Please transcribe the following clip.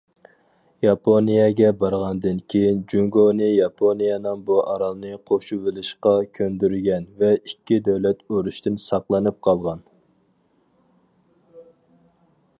ياپونىيەگە بارغاندىن كېيىن، جۇڭگونى ياپونىيەنىڭ بۇ ئارالنى قوشۇۋېلىشقا كۆندۈرگەن ۋە ئىككى دۆلەت ئۇرۇشتىن ساقلىنىپ قالغان.